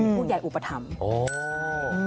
อย่างแรกเลยก็คือการทำบุญเกี่ยวกับเรื่องของพวกการเงินโชคลาภ